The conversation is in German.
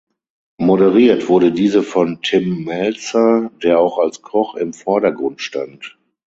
Moderiert wurde diese von Tim Mälzer, der auch als Koch im Vordergrund stand.